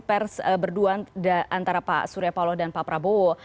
pers berdua antara pak surya paloh dan pak prabowo